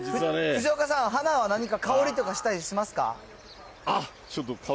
藤岡さん、花は何か香りとかしたりしますか。